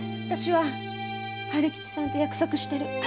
あたしは春吉さんと約束してる。